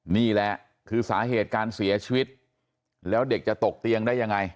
นี่แหละคือสาเหตุการเสียชีวิตแล้วเด็กจะตกเตียงได้ยังไง